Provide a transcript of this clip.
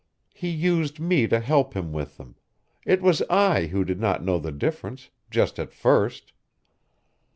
He used me to help him with them, it was I who did not know the difference, just at first.